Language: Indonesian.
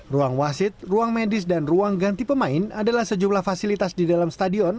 ruang wasit ruang medis dan ruang ganti pemain adalah sejumlah fasilitas di dalam stadion